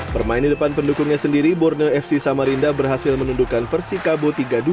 bermain di depan pendukungnya sendiri borneo fc samarinda berhasil menundukkan persikabo tiga dua